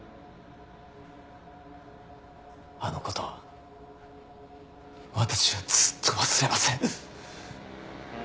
あの事私はずっと忘れません！